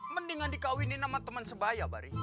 mendingan dikawinin sama teman sebaya bari